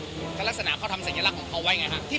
ก็จะลักษณะเขาทำเสียลักษณ์ของเขาไว้นะครับ